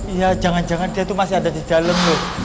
iya jangan jangan dia itu masih ada di dalam loh